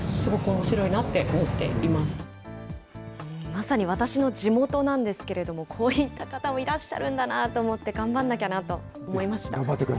まさに私の地元なんですけれども、こういう方もいらっしゃるんだなと、頑張んなきゃなと思いました。